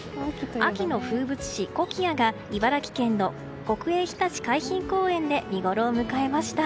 秋の風物詩、コキアが茨城県の国営ひたち海浜公園で見ごろを迎えました。